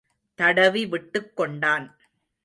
தடவி விட்டுக் கொண்டான்.